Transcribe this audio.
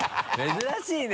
珍しいね